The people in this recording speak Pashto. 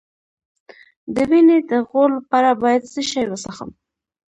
د وینې د غوړ لپاره باید څه شی وڅښم؟